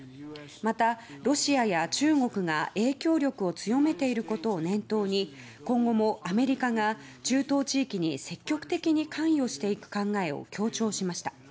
また、ロシアや中国が影響力を強めていることを念頭に今後もアメリカが中東地域に積極的に関与していく考えを強調しました。